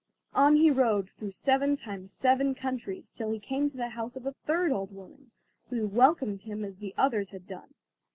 On he rode, through seven times seven countries, till he came to the house of a third old woman, who welcomed him as the others had done.